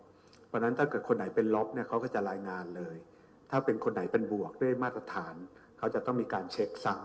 เพราะฉะนั้นถ้าเกิดคนไหนเป็นลบเนี่ยเขาก็จะรายงานเลยถ้าเป็นคนไหนเป็นบวกด้วยมาตรฐานเขาจะต้องมีการเช็คซ้ำ